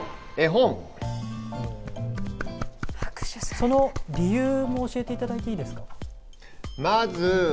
その理由も教えて頂いていいですか？